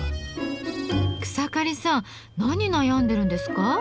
草刈さん何悩んでるんですか？